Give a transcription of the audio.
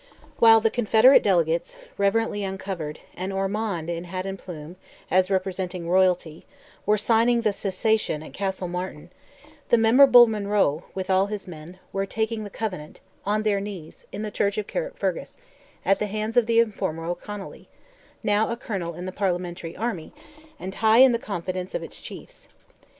While the Confederate delegates, reverently uncovered, and Ormond, in hat and plume, as representing royalty, were signing "the cessation" at Castlemartin, the memorable Monroe, with all his men, were taking the covenant, on their knees, in the church of Carrickfergus, at the hands of the informer O'Connolly, now a colonel in the Parliamentary army, and high in the confidence of its chiefs.